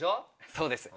そうです。